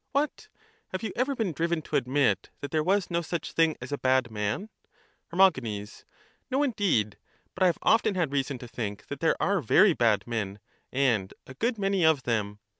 What! have you ever been driven to admit that there was no such thing as a bad man? Her. No, indeed ; but I have often had reason to think that there are very bad men, and a good many of them.